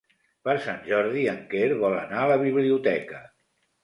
Per Sant Jordi en Quer vol anar a la biblioteca.